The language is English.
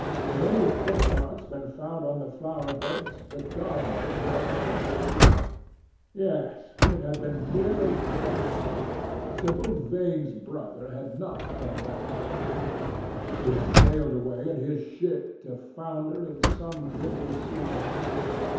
Had any foot marks been found on the flower beds, the gardeners would have reported it. Yes, it had been merely fancy. Sibyl Vane's brother had not come back to kill him. He had sailed away in his ship to founder in some winter sea.